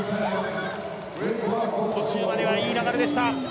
途中まではいい流れでした。